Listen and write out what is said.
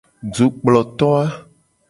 Dukploto a.